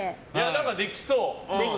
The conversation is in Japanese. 何か、できそう。